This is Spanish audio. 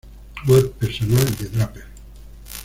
Web personal de Draper